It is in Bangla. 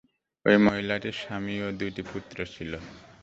ঐ মহিলাটির স্বামী ও দুইটি পুত্র ছিল।